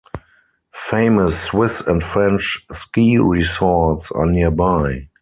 Famous Swiss and French ski resorts are nearby.